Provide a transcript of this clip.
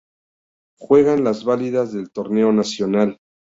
Juegan las válidas del torneo nacional.